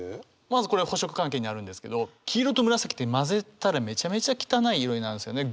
まずこれは補色関係にあるんですけど黄色と紫って混ぜたらめちゃめちゃ汚い色になるんですよね。